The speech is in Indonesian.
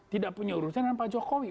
tidak punya urusan dengan pak jokowi